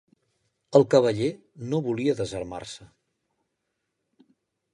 El cavaller no volia desarmar-se.